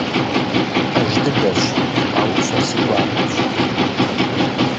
Пэж дыдэщ, а упщӀэр си гуапэщ.